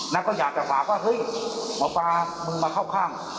แล้วก็อยากจะฝากว่าเฮ้ยหมอปลามึงมาเข้าข้าง